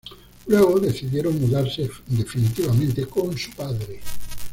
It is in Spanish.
Luego, decidieron mudarse definitivamente con su padre.